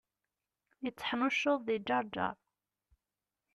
Yetteḥnuccuḍ di Ǧerǧer.